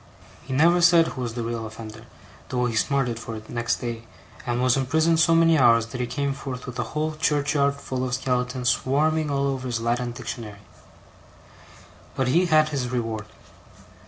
He never said who was the real offender, though he smarted for it next day, and was imprisoned so many hours that he came forth with a whole churchyard full of skeletons swarming all over his Latin Dictionary. But he had his reward.